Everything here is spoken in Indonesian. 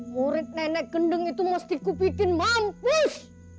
murid nenek gendeng itu mesti kupikin mampus